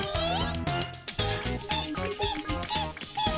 ピッピッピッピッ。